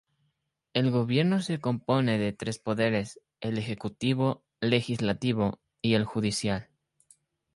El Gobierno se compone de tres poderes: el Ejecutivo, Legislativo, y el Judicial.